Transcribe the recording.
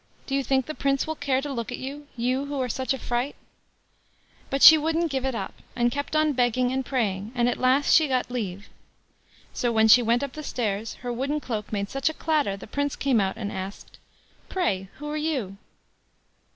Do you think the Prince will care to look at you, you who are such a fright!" But she wouldn't give it up, and kept on begging and praying; and at last she got leave. So when she went up the stairs, her wooden cloak made such a clatter, the Prince came out and asked: "Pray who are you?"